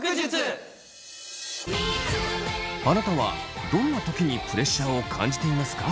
あなたはどんなときにプレッシャーを感じていますか？